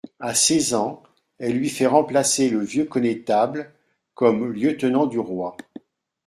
À seize ans, elle lui fait remplacer le vieux connétable comme lieutenant du roi.